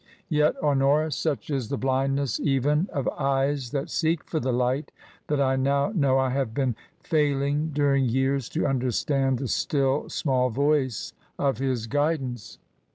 Yet, Honora, such is the blindness even of eyes that seek for the light, that I now know I have been failing during years to understand the ' still small voice* of His guidance."